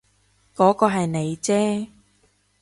嗰個係你啫